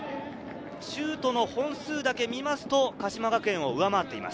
シュートの本数だけ見ますと、鹿島学園を上回っています。